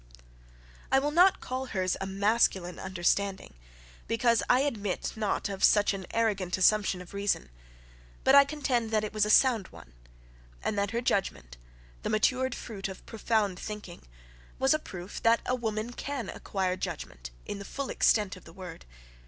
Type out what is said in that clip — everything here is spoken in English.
I will not call her's a masculine understanding, because I admit not of such an arrogant assumption of reason; but I contend that it was a sound one, and that her judgment, the matured fruit of profound thinking, was a proof that a woman can acquire judgment, in the full extent of the word.